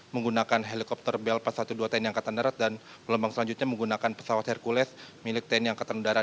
menggunakan helikopter belpa satu ratus dua belas tni angkatan darat dan gelombang selanjutnya menggunakan pesawat hercules milik tni angkatan darat